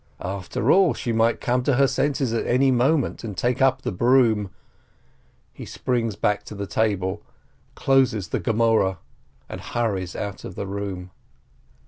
After all, she might come to her senses at any moment, and take up the broom! He springs back to the table, closes the Gemoreh, and hur ries out of the room.